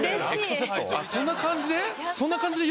そんな感じで？